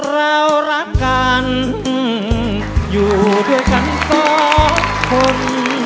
เรารักกันอยู่ด้วยกันสองคน